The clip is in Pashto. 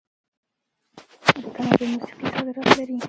د کاناډا موسیقي صادرات لري.